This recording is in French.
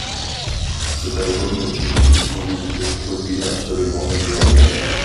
Cet album est une édition limitée produit à seulement exemplaires.